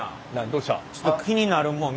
どうしたん？